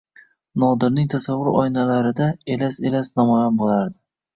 Nodirning tasavvur oynalarida elas-elas namoyon bo‘lardi.